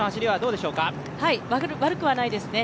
悪くはないですね。